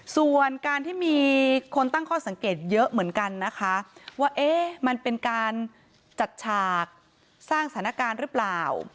ส่วนการที่มีคนตั้งข้อสังเกตเยอะเหมือนกันนะคะว่าเอ๊ะมันเป็นการจัดฉากสร้างสถานการณ์หรือเปล่า